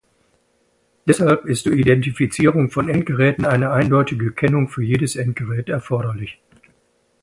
Deshalb ist zur Identifizierung von Endgeräten eine eindeutige Kennung für jedes Endgerät erforderlich.